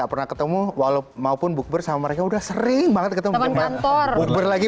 pernah ketemu walaupun maupun bukbar sama mereka udah sering banget ketemu sama kantor bukbar lagi